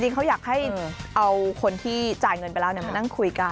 เขาอยากให้เอาคนที่จ่ายเงินไปแล้วมานั่งคุยกัน